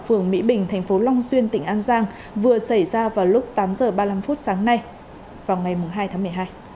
phường mỹ bình thành phố long xuyên tỉnh an giang vừa xảy ra vào lúc tám h ba mươi năm sáng nay vào ngày hai tháng một mươi hai